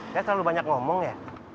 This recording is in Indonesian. saya terlalu banyak ngomong ya